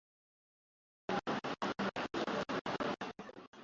na unasikiliza wimbi la siasa